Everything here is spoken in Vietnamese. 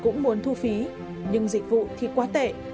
du lịch cũng muốn thu phí nhưng dịch vụ thì quá tệ